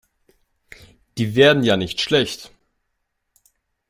Die werden ja nicht schlecht.